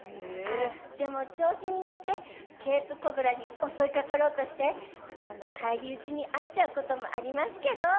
あでも調子に乗ってケープコブラに襲いかかろうとして返り討ちに遭っちゃうこともありますけど。